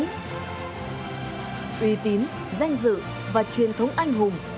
tuy tín danh dự và truyền thống anh hùng